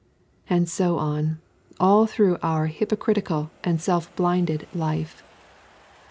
And so on, all through our hypocritical and self blinded life.